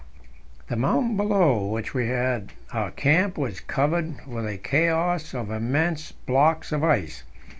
The mountain below which we had our camp was covered with a chaos of immense blocks of ice.